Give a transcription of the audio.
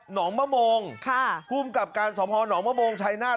หนองมะโมงคุ้มกับการสมฮหนองมะโมงชายนาฏ